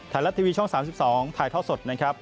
ถ่ายและทีวีช่อง๓๒ถ่ายท่อสดนะครับ